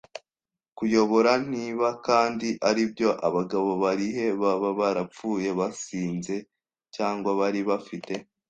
kuyobora. Niba kandi aribyo, abagabo barihe? Baba barapfuye basinze cyangwa bari bafite